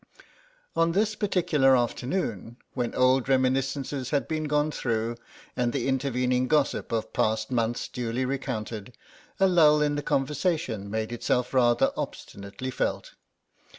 On this particular afternoon, when old reminiscences had been gone through, and the intervening gossip of past months duly recounted, a lull in the conversation made itself rather obstinately felt.